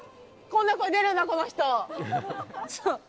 こんな声出るんだ、この人。